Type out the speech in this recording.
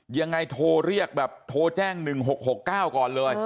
ยังไงโทรเรียกแบบโทรแจ้ง๑๖๖๙ก่อนเลย